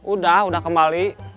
udah udah kembali